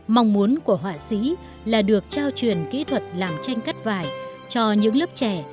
mong muốn của họa sĩ là được trao truyền kỹ thuật làm tranh cắt vải cho những lớp trẻ